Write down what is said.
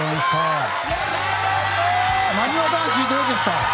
なにわ男子、どうでした？